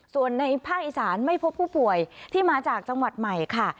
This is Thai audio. ส่วนในภาคอีสานไม่พบผู้ป่วยที่มาจากจังหวัดใหม่ค่ะ